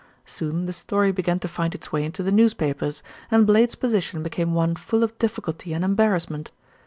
Soon the story began to find its way into the newspapers, and Blade's position became one full of difficulty and embarrassment.